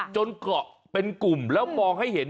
เกาะเป็นกลุ่มแล้วมองให้เห็น